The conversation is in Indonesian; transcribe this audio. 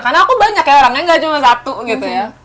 karena aku banyak ya orangnya nggak cuma satu gitu ya